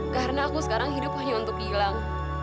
karena aku sekarang hidup hanya untuk gilang